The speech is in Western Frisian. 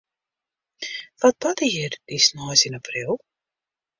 Wat barde hjir dy sneins yn april?